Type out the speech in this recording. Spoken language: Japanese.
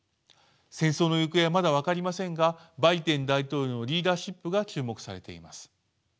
戦争の行方はまだ分かりませんがバイデン大統領のリーダーシップが注目されています。